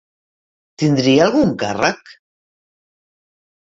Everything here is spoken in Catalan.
Tindria algun càrrec?